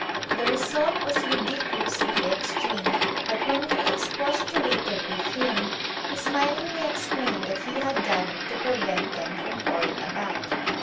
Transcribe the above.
The result was ludicrous in the extreme; but when we expostulated with him, he smilingly explained that he had done it to "prevent them from falling about"!